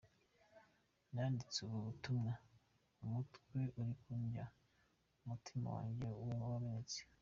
Nanditse ubu butumwa umutwe uri kundya, umutima wanjye wamenetse.